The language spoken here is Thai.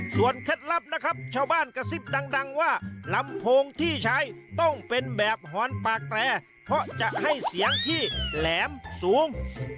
เคล็ดลับนะครับชาวบ้านกระซิบดังว่าลำโพงที่ใช้ต้องเป็นแบบหอนปากแตรเพราะจะให้เสียงที่แหลมสูง